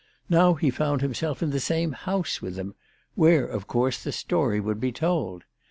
Now he found himself in the same house with them, where of course the story would be told.